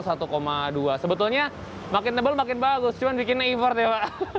sebetulnya makin tebal makin bagus cuma bikinnya effort ya pak